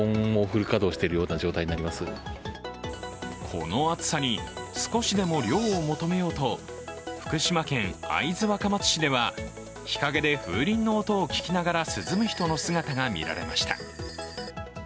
この暑さに少しでも涼を求めようと福島県会津若松市では日陰で風鈴の音を聞きながら涼む人の姿が見られました。